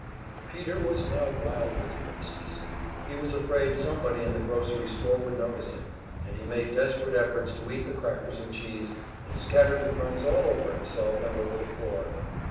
Peter was now wild with nervousness; he was afraid somebody in the grocery store would notice him, and he made desperate efforts to eat the crackers and cheese, and scattered the crumbs all over himself and over the floor.